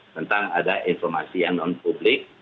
tentang ada informasi yang non publik